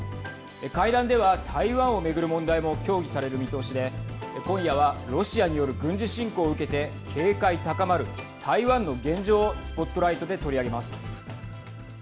会談では台湾を巡る問題も協議される見通しで今夜はロシアによる軍事侵攻を受けて警戒高まる台湾の現状をＳＰＯＴＬＩＧＨＴで取り上げます。